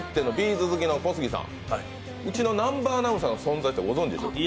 ’ｚ好きの小杉さん、うちの南波アナウンサーの存在って、ご存じですか？